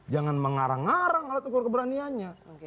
jangan mengarang arang alat ukur keberaniannya